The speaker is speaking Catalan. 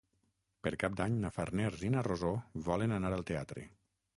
Per Cap d'Any na Farners i na Rosó volen anar al teatre.